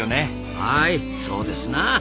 はいそうですな。